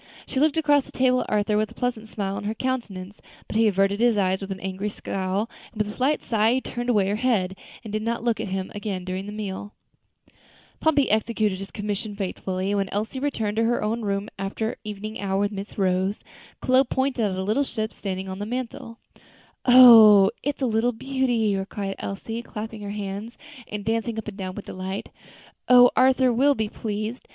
She looked across the table at Arthur with a pleasant smile on her countenance, but he averted his eyes with an angry scowl; and with a slight sigh she turned away her head, and did not look at him again during the meal. Pompey executed his commission faithfully; and when Elsie returned to her own room after her evening hour with Miss Rose, Chloe pointed out the little ship standing on the mantel. "Oh! it's a little beauty," cried Elsie, clapping her hands and dancing up and down with delight; "how Arthur will be pleased!